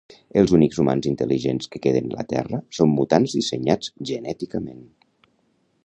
Els únics humans intel·ligents que queden la Terra són mutants dissenyats genèticament